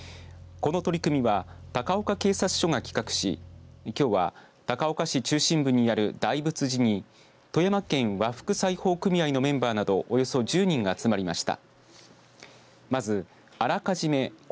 この取り組みは高岡警察署が企画しきょうは高岡市中心部にある大沸寺に富山県和服裁縫組合のメンバーなどおよそ１０人が集まりました。